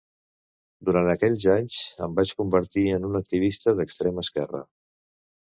Durant aquells anys em vaig convertir en un activista d’extrema esquerra.